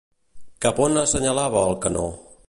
Cap a on assenyalava el canó?